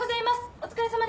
お疲れさまです！